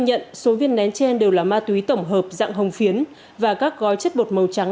nhận số viên nén trên đều là ma túy tổng hợp dạng hồng phiến và các gói chất bột màu trắng